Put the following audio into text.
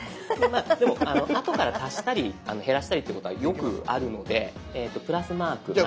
でもあとから足したり減らしたりっていうことはよくあるのでプラスマークマイナスマーク。